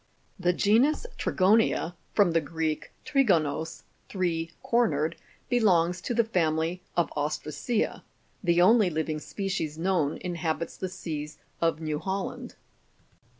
The genus Trigonia,(Jig.65 from the Greek, trigonos, three cornered), belongs to the family of ostracea ; the only living species known inhabits the seas of New Holland.